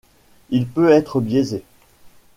Il peut être biaisé.